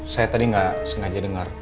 saya tadi nggak sengaja dengar